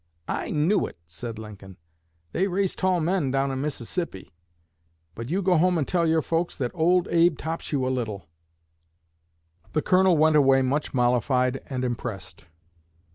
"I knew it," said Lincoln. "They raise tall men down in Mississippi, but you go home and tell your folks that Old Abe tops you a little." The Colonel went away much mollified and impressed.